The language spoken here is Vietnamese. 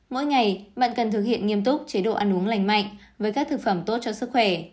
mỗi ngày bạn cần thực hiện nghiêm túc chế độ ăn uống lành mạnh với các thực phẩm tốt cho sức khỏe